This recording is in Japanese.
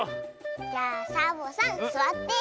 じゃあサボさんすわって。